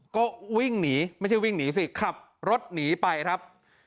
ก็วิ่งหนีไม่ใช่วิ่งหนีสิขับรถหนีไปครับ